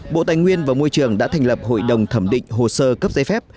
bộ tài nguyên và môi trường đã thành lập hội đồng thẩm định hồ sơ cấp giấy phép